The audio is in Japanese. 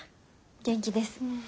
元気です。